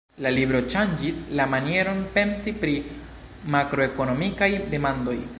La libro ŝanĝis la manieron pensi pri makroekonomikaj demandoj.